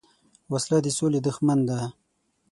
وسله د سولې دښمن ده